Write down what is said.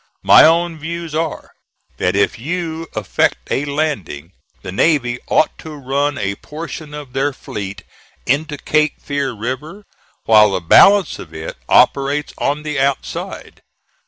"My own views are, that if you effect a landing, the navy ought to run a portion of their fleet into Cape Fear River, while the balance of it operates on the outside.